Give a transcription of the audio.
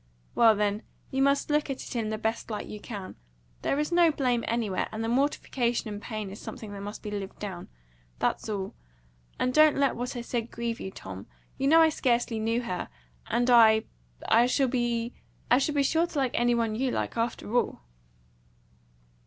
"Well, then, you must look at it in the best light you can. There is no blame anywhere, and the mortification and pain is something that must be lived down. That's all. And don't let what I said grieve you, Tom. You know I scarcely knew her, and I I shall be sure to like any one you like, after all."